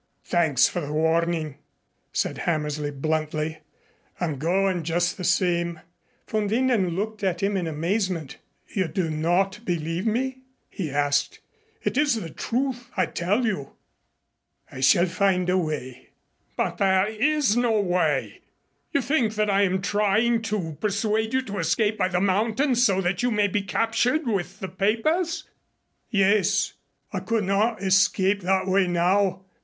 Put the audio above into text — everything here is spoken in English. Thanks for the warning," said Hammersley bluntly. "I'm going just the same." Von Winden looked at him in amazement. "You do not believe me?" he asked. "It is the truth, I tell you." "I shall find a way." "But there is no way. You think that I am trying to persuade you to escape by the mountains so that you may be captured with the papers?" "Yes. I could not escape that way now.